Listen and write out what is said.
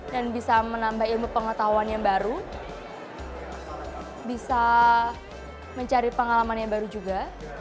dan bisa menambah ilmu pengetahuan yang baru bisa mencari pengalaman yang baru juga